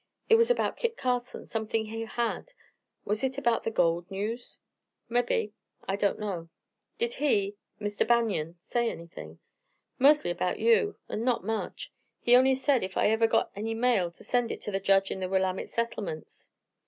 It was about Kit Carson, something he had was it about the gold news?" "Mebbe. I don't know." "Did he Mr. Banion say anything?" "Mostly erbout you, an' not much. He only said ef I ever got any mail to send it ter the Judge in the Willamette settlements."